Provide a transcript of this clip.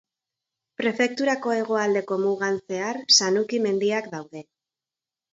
Prefekturako hegoaldeko mugan zehar Sanuki mendiak daude.